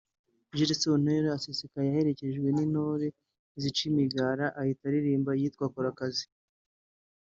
Jules Sentore asesekaye aherekejwe n’intore zica umugara ahita aririmba iyitwa ’Kora akazi’